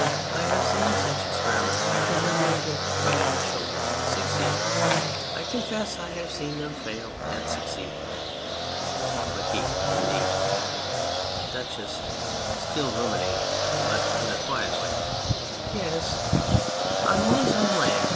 I have seen such experiments fail ... and (shrugging her shoulders] succeed ... I confess I have seen them fail and succeed. MARQUIS. Indeed ? DUCHESS (still ruminating, but in a quiet way}. Yes, 218 The Candour of Maturity ... On one's own land. ...